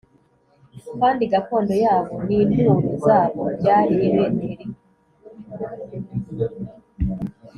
Kandi gakondo yabo n’inturo zabo byari i Beteli